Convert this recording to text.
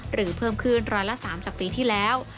เพิ่มขึ้นร้อยละ๓จากปีที่แล้ว